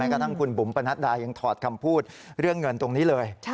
กระทั่งคุณบุ๋มปนัดดายังถอดคำพูดเรื่องเงินตรงนี้เลย